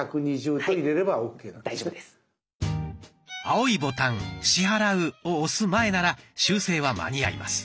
青いボタン「支払う」を押す前なら修正は間に合います。